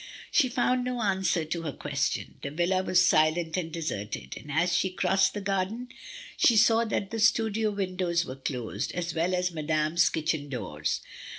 She found no answer to her question. The villa was silent and deserted, and as she crossed the garden she saw that the studio windows were closed, as well as Madame's kitchen doors.